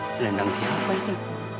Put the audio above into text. selendang siapa itu